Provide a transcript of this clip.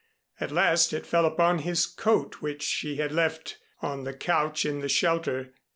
At last it fell upon his coat which she had left on the couch in the shelter.